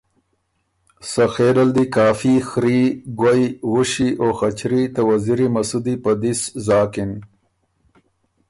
سخېل ال دی کافي خري، ګوَئ، وُوشی او خچري ته وزیری مسُودی په دِس زاکِن۔